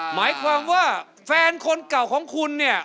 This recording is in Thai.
หมายความว่าแฟนคนเก่าของคุณเนี่ย